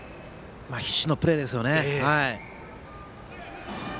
必死のプレーですよね。